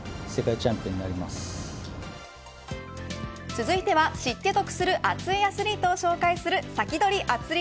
続いては、知って得する熱いアスリートを紹介するサキドリ！